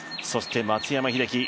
そして松山英樹